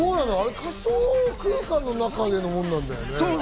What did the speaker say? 仮想空間の中でのものなんだよね？